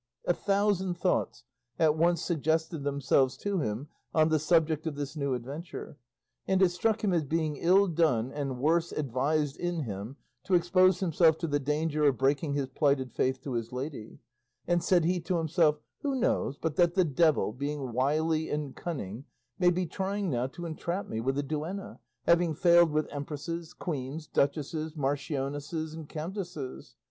A thousand thoughts at once suggested themselves to him on the subject of this new adventure, and it struck him as being ill done and worse advised in him to expose himself to the danger of breaking his plighted faith to his lady; and said he to himself, "Who knows but that the devil, being wily and cunning, may be trying now to entrap me with a duenna, having failed with empresses, queens, duchesses, marchionesses, and countesses?